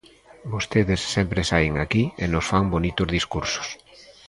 Vostedes sempre saen aquí e nos fan bonitos discursos.